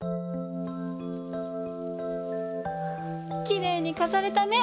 きれいにかざれたね！